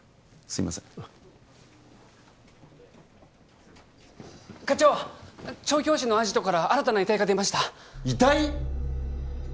すいません課長調教師のアジトから新たな遺体が出ました遺体！？